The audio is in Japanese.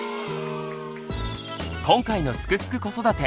今回の「すくすく子育て」